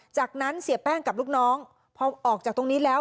จากนั้นเสียแป้งกับลูกน้องพอออกจากตรงนี้แล้ว